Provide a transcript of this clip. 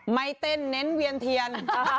ไม่เต้นเน้นเวียนเทียน